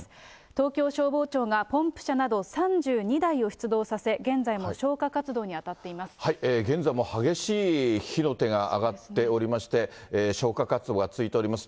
東京消防庁がポンプ車など３２台を出動させ、現在も激しい火の手が上がっておりまして、消火活動が続いております。